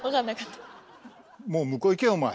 もう向こう行けお前。